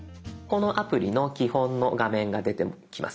このアプリの基本の画面が出てきます。